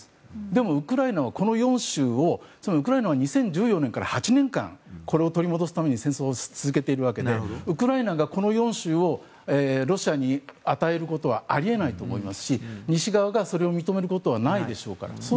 でも、ウクライナはこの４州をウクライナは２０１４年から８年間これを取り戻すために戦争を続けているわけでウクライナがこの４州をロシアに与えることはあり得ないと思いますし西側がそれを認めることはないでしょうから。